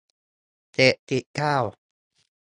เจ็ดสิบเก้า